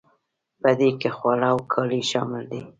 په دې کې خواړه او کالي شامل دي.